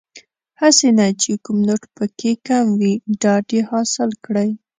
هسې نه چې کوم نوټ پکې کم وي ډاډ یې حاصل کړ.